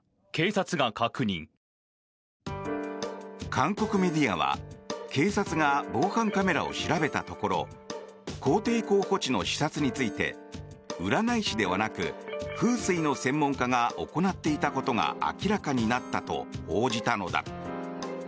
韓国メディアは警察が防犯カメラを調べたところ公邸候補地の視察について占い師ではなく風水の専門家が行っていたことが明らかになったと報じたのだ。